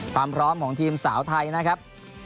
ความพร้อมของทีมสาวไทยนะครับ